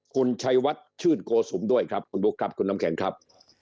คุณชัยวัดชื่นโกสุมด้วยครับคุณบุ๊คครับคุณน้ำแข็งครับ